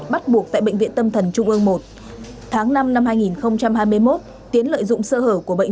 bắt buộc tại bệnh viện tâm thần trung ương một tháng năm năm hai nghìn hai mươi một tiến lợi dụng sơ hở của bệnh